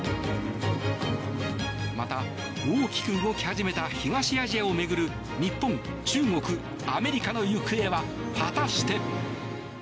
また、大きく動き始めた東アジアを巡る日本、中国、アメリカの行方は果たして。